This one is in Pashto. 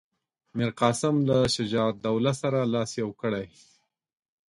میرقاسم له شجاع الدوله سره لاس یو کړی.